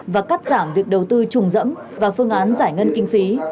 và cắt giảm việc đầu tư trùng dẫm và phương án giải ngân kinh phí